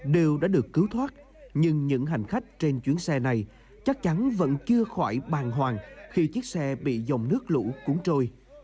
điều đã được cứu thoát nhưng những hành khách trên chuyến xe này chắc chắn vẫn chưa khỏi bàn hoàng khi chiếc xe bị dòng nước lũ cúng trôi